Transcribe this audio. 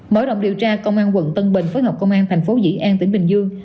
mở động điều tra công an quận tân bình phối hợp công an tp diện an tỉnh bình dương